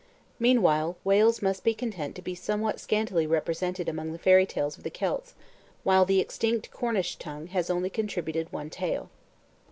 Meanwhile Wales must be content to be somewhat scantily represented among the Fairy Tales of the Celts, while the extinct Cornish tongue has only contributed one tale.